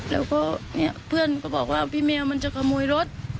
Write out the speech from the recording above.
แล้วเพื่อนก็บอกว่าผู้เจ้าจะขโมยรถ